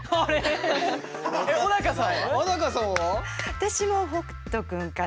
私も北斗君かな。